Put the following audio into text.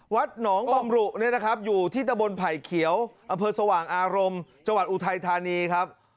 วัดหนองบำรุเนี่ยนะครับอยู่ที่ตะบนไผ่เขียวอำเภอสว่างอารมณ์จังหวัดอุทัยธานีครับ